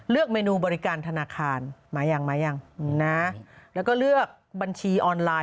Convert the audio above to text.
เลือกเมนูบริการธนาคารแล้วก็เลือกบัญชีออนไลน์